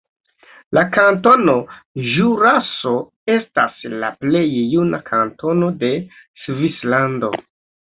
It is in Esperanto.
La Kantono Ĵuraso estas la plej juna kantono de Svislando.